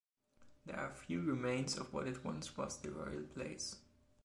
There are a few remains of what it once was the royal palace.